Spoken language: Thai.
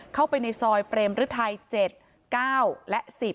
เข้าไปในซอยเปรมฤทัย๗๙และ๑๐